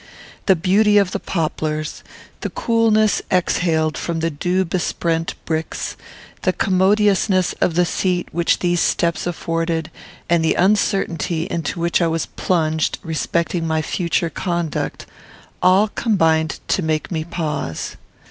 The beauty of the poplars, the coolness exhaled from the dew besprent bricks, the commodiousness of the seat which these steps afforded, and the uncertainty into which I was plunged respecting my future conduct, all combined to make me pause.